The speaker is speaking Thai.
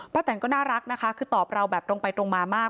แตนก็น่ารักนะคะคือตอบเราแบบตรงไปตรงมามาก